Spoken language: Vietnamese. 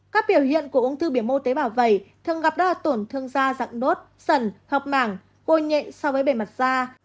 các biểu hiện của ung thư biểu mô tế bảo vẩy thường gặp đó là tổn thương da dạng nốt sần hợp mảng cô nhện so với bề mặt da